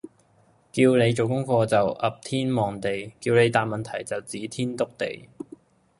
叫你做功課你就頕天望地，叫你答問題你就指天篤地。